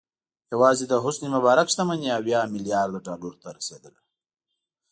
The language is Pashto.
یوازې د حسن مبارک شتمني اویا میلیارده ډالرو ته رسېده.